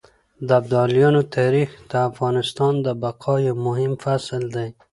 د ابدالیانو تاريخ د افغانستان د بقا يو مهم فصل دی.